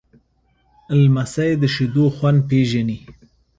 لمسی د شیدو خوند پیژني.